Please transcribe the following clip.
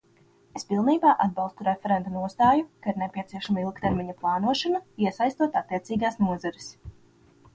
Es pilnībā atbalstu referenta nostāju, ka ir nepieciešama ilgtermiņa plānošana, iesaistot attiecīgās nozares.